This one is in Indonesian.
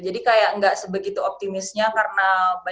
jadi kayak nggak sebegitu optimisnya karena